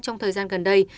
trong thời gian gần đây